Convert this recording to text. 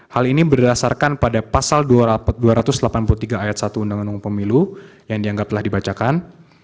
hal ini berdasarkan pada pasal dua ratus delapan puluh tiga ayat satu undang undang pemilu yang dianggap telah dibacakan